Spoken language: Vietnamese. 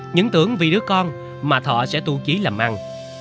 những tưởng vì đứa con mà thọ sẽ tu trí làm ăn